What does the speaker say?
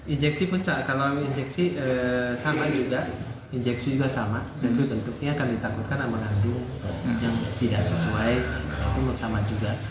injeksi pun sama kalau injeksi sama juga injeksi juga sama dan bentuknya akan ditakutkan sama nandung yang tidak sesuai itu sama juga